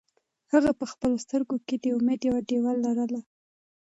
هغه په خپلو سترګو کې د امید یوه ډېوه لرله.